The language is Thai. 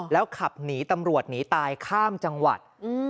แล้วขับหนีตำรวจหนีตายข้ามจังหวัด